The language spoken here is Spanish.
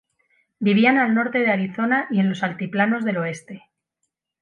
Vivían al Norte de Arizona y en los altiplanos del Oeste.